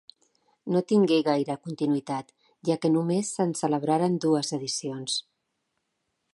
No tingué gaire continuïtat, ja que només se'n celebraren dues edicions.